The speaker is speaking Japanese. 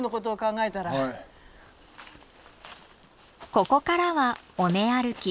ここからは尾根歩き。